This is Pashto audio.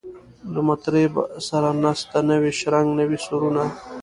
له مطربه سره نسته نوی شرنګ نوي سورونه